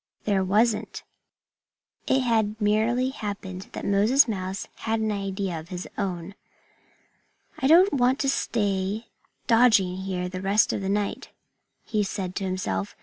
There wasn't. It had merely happened that Moses Mouse had had an idea of his own. "I don't want to stay dodging here the rest of the night," he had said to himself.